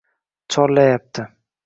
chorlayapti